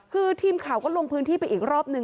คือทีมข่าวก็ลงพื้นที่ไปอีกรอบนึง